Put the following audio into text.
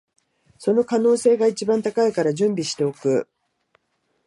その可能性が一番高いから準備しておく